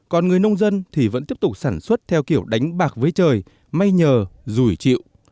còn người nông dân thì vẫn tiếp tục sản xuất theo kiểu đánh bạc với trời may nhờ rủi chịu